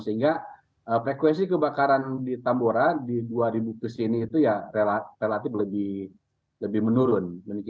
sehingga frekuensi kebakaran di tambora di dua ribu ke sini itu ya relatif lebih menurun